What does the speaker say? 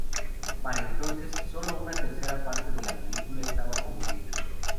Para entonces, solo una tercera parte de la película estaba concluida.